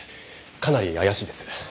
かなり怪しいです。